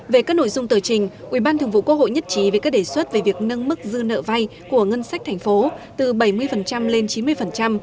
về các nội dung tờ trình ủy ban thường vụ quốc hội nhất trí về các đề xuất về việc nâng mức dư nợ vay của ngân sách thành phố từ bảy mươi lên chín mươi